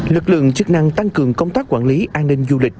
lực lượng chức năng tăng cường công tác quản lý an ninh du lịch